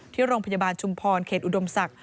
ที่โรงพยาบาลชุมพรเขตอุดมศักดิ